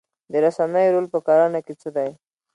د رسنیو رول په کرنه کې څه دی؟